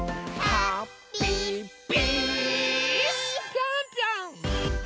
ぴょんぴょん！